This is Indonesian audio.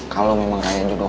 kalau memang raya jodoh lo